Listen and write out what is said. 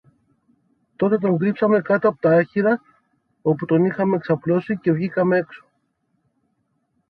Τότε τον κρύψαμε κάτω από τ' άχυρα όπου τον είχαμε ξαπλώσει, και βγήκαμε έξω